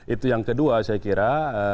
itu yang kedua saya kira